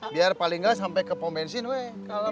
biar paling gak sampai ke pom bensin weh kalem